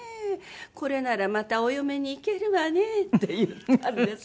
「これならまたお嫁に行けるわね」って言ったんですよ。